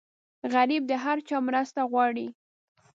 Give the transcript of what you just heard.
غریب د هر چا مرسته غواړي